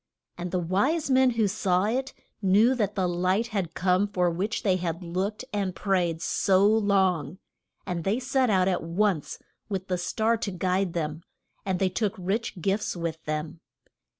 And the wise men who saw it knew that the light had come for which they had looked and prayed so long, and they set out at once with the star to guide them, and they took rich gifts with them.